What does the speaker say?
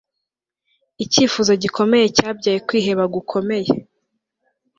icyifuzo gikomeye cyabyaye kwiheba gukomeye